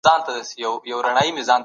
د لستوڼي مار